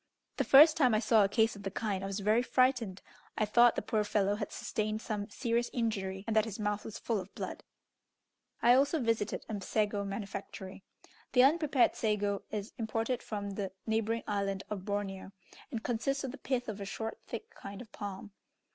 The first time I saw a case of the kind I was very frightened: I thought the poor fellow had sustained some serious injury, and that his mouth was full of blood. I also visited a sago manufactory. The unprepared sago is imported from the neighbouring island of Borromeo, and consists of the pith of a short, thick kind of palm.